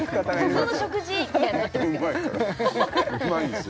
普通の食事みたいになってます